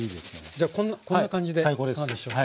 じゃあこんな感じでいかがでしょう？